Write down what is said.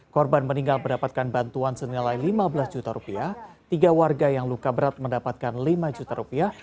korban meninggal mendapatkan bantuan senilai lima belas juta rupiah tiga warga yang luka berat mendapatkan lima juta rupiah